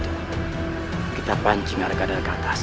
kalau begitu kita pancingkan mereka dari atas